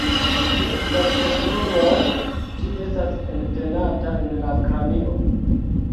Ĉe vertebruloj ĝi estas entenata en la kranio.